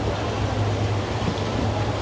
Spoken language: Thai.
อ่า